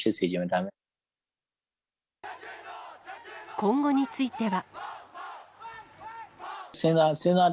今後については。